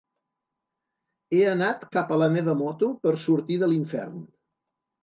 He anat cap a la meva moto per sortir de l’infern.